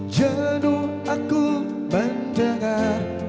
jenuh aku mendengar